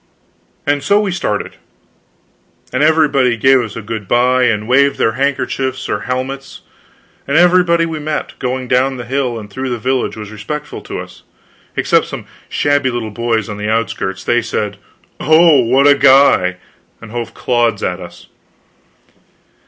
And so we started, and everybody gave us a goodbye and waved their handkerchiefs or helmets. And everybody we met, going down the hill and through the village was respectful to us, except some shabby little boys on the outskirts. They said: "Oh, what a guy!" And hove clods at us.